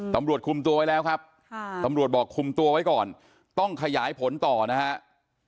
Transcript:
ตำรวจคุมตัวไว้แล้วครับตำรวจบอกคุมตัวไว้ก่อนต้องขยายผลต่อนะครับ